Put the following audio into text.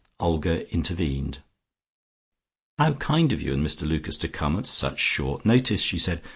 Olga intervened. "How kind of you and Mr Lucas to come at such short notice," she said.